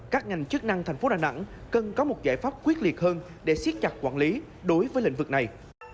các ngành chức năng thành phố đà nẵng cần có một giải pháp quyết liệt hơn để siết chặt quản lý đối với lĩnh vực này